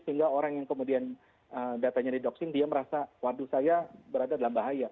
sehingga orang yang kemudian datanya didoxing dia merasa waduh saya berada dalam bahaya